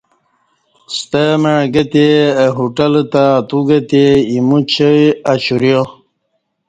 ستمع گہ تے اہ ہوٹل تہ اتوگہ تے ایمو چای اشوریا